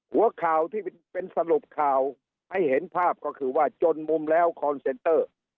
หัวข่าวที่เป็นสรุปข่าวให้เห็นภาพก็คือว่าจนมุมแล้วคอนเซนเตอร์